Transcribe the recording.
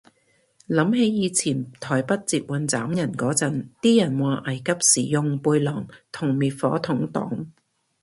諗起以前台北捷運斬人嗰陣，啲人話危急時用背囊同滅火筒擋